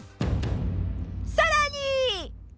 さらに。